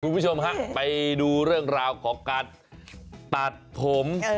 คุณผู้ชมฮะไปดูเรื่องราวของการตัดผม